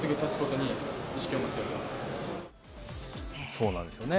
そうなんですよね。